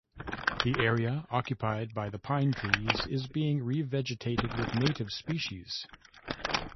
The area occupied by the pine trees is being revegetated with native species.